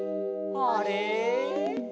「あれ？」